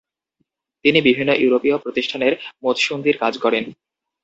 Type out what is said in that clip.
তিনি বিভিন্ন ইউরোপীয় প্রতিষ্ঠানের মুৎসুদ্দীর কাজ করেন।